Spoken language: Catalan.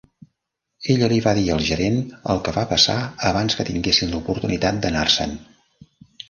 Ella li va dir al gerent el que va passar abans que tinguessin l'oportunitat d'anar-se'n.